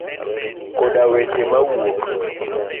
Koda weche mawuok.